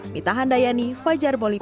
mitahan dayani fajar bolivar